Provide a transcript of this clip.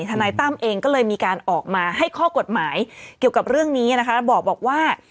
นายตั้มเองก็เลยมีการออกมาให้ข้อกฎหมายเกี่ยวกับเรื่องนี้นะคะบอกว่า